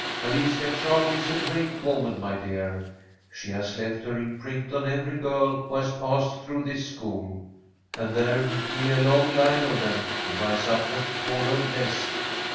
Alicia Chartley is a great woman, my dear. She has left her imprint on every girl who has passed through this school, and there'll be a long line of them to rise up and call her blessed.